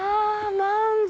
満足！